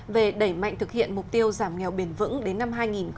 về đẩy mạnh thực hiện mục tiêu giảm nghèo bền vững đến năm hai nghìn ba mươi